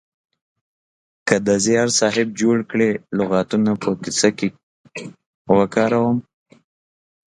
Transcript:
که د زیار صاحب جوړ کړي لغاتونه په کیسه کې وکاروم